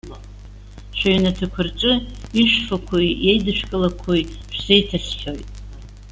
Шәыҩнаҭақәа рҿы ишәфақәои иеидышәкылақәои шәзеиҭасҳәоит.